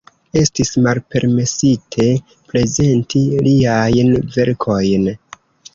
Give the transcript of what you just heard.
Estis malpermesite prezenti liajn verkojn.